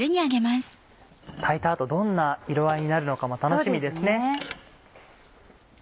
炊いた後どんな色合いになるのか楽しみですね。